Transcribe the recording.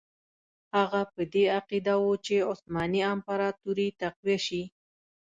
هغه په دې عقیده وو چې عثماني امپراطوري تقویه شي.